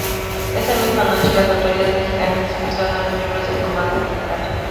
Esa misma noche las autoridades mexicanas expulsan a los miembros del comando militar.